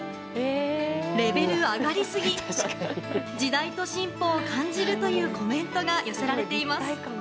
レベル上がりすぎ時代と進歩を感じるというコメントが寄せられています。